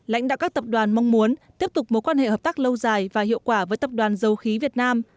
lãnh đạo các tập đoàn mong muốn tiếp tục mối quan hệ hợp tác lâu dài và hiệu quả với tập đoàn dầu khí việt nam